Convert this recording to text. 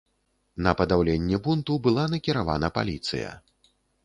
На падаўленне бунту была накіравана паліцыя.